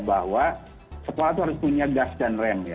bahwa sekolah itu harus punya gas dan rem ya